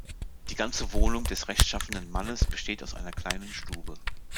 Die ganze Wohnung des rechtschaffenen Mannes besteht aus einer kleinen Stube.